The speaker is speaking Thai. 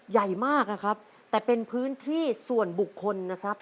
ใหญ่มากนะครับแต่เป็นพื้นที่ส่วนบุคคลนะครับ